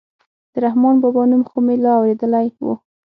د رحمان بابا نوم خو مې لا اورېدلى و.